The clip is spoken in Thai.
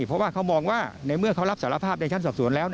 เพราะว่าเขามองว่าในเมื่อเขารับสารภาพในชั้นสอบสวนแล้ว